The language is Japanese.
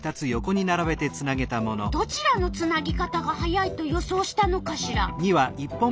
どちらのつなぎ方が速いと予想したのかしら。